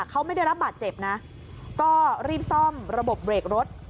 เขาไม่ได้รับบาดเจ็บนะก็รีบซ่อมระบบเบรกรถ